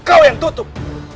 kau yang tutup